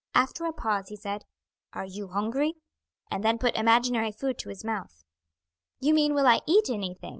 After a pause he said: "Are you hungry?" and then put imaginary food to his mouth. "You mean will I eat anything?"